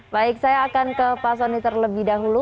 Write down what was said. baik saya akan ke pak soni terlebih dahulu